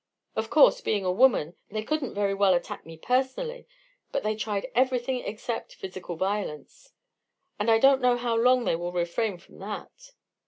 Of course, being a woman, they couldn't very well attack me personally, but they tried everything except physical violence, and I don't know how long they will refrain from that.